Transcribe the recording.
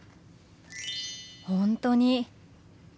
本当に！